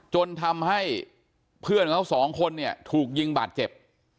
จนทำให้เพื่อนของเขาสองคนเนี่ยถูกยิงบาดเจ็บ